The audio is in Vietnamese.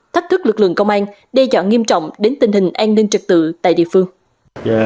thách thức lực lượng công an đe dọa nghiêm trọng đến tình hình an ninh trực tự tại địa phương